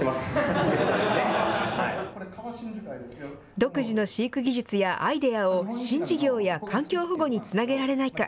独自の飼育技術やアイデアを新事業や環境保護につなげられないか。